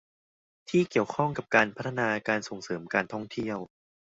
ที่เกี่ยวข้องกับการพัฒนาการส่งเสริมการท่องเที่ยว